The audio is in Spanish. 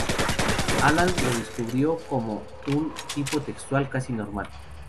Aland lo describió como un tipo textual "casi normal".